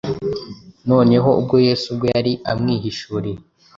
Noneho ubwo Yesu ubwe yari amwihishuriye,